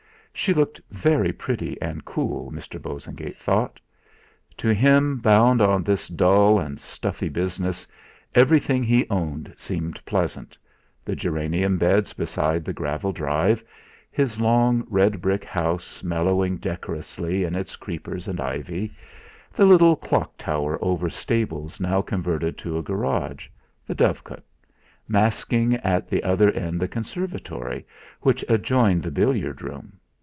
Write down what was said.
She looked very pretty and cool, Mr. Bosengate thought. To him bound on this dull and stuffy business everything he owned seemed pleasant the geranium beds beside the gravel drive, his long, red brick house mellowing decorously in its creepers and ivy, the little clock tower over stables now converted to a garage, the dovecote, masking at the other end the conservatory which adjoined the billiard room.